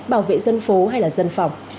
bảo vệ dân phố hay là dân phòng